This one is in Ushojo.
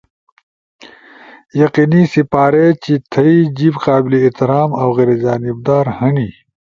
یقینی سپارے چی تھئی جیب قابل احترام اؤ غیر جانب دار ہنی۔